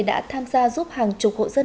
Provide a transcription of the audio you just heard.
đã tham gia giúp hàng chục hộ dân